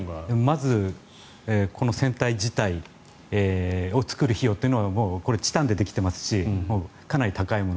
まず、この船体自体を作る費用というのがもうチタンでできてますしかなり高いもの